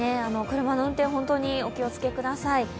車の運転、本当にお気を付けください。